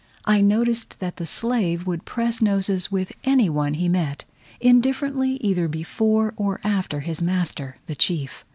I noticed that the slave would press noses with any one he met, indifferently either before or after his master the chief.